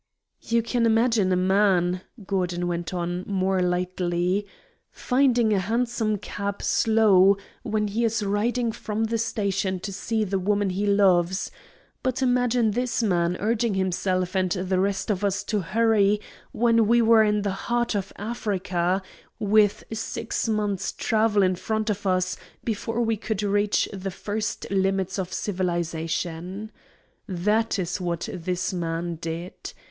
"You can imagine a man," Gordon went on, more lightly, "finding a hansom cab slow when he is riding from the station to see the woman he loves; but imagine this man urging himself and the rest of us to hurry when we were in the heart of Africa, with six months' travel in front of us before we could reach the first limits of civilization. That is what this man did.